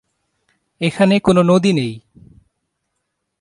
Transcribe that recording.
এখানে কোনো নদী নেই।